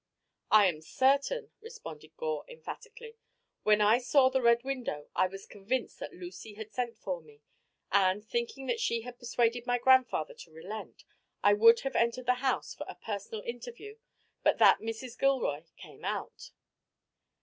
"I am certain," responded Gore, emphatically. "When I saw the Red Window I was convinced that Lucy had sent for me, and, thinking that she had persuaded my grandfather to relent, I would have entered the house for a personal interview but that Mrs. Gilroy came out."